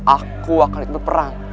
aku akan ikut berperang